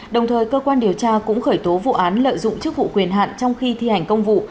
đồng thời cơ quan điều tra cũng khởi tố vụ án lợi dụng chức vụ quyền hạn trong khi thi hành công vụ